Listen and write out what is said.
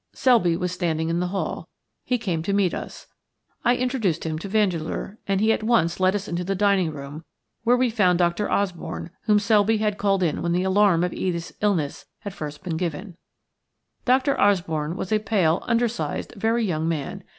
Selby was standing in the hall. He came to meet us. I introduced him to Vandeleur, and he at once led us into the dining room, where we found Dr. Osborne, whom Selby had called in when the alarm of Edith's illness had been first given. Dr. Osborne was a pale, under sized, very young man.